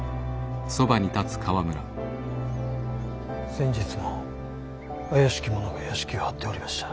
先日も怪しき者が邸を張っておりました。